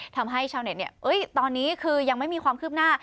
ทำให้ชาวเน็ตตอนนี้คือยังไม่มีความคืบหน้า